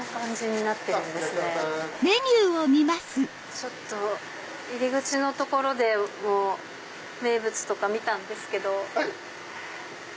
ちょっと入り口の所でも名物とか見たんですけど。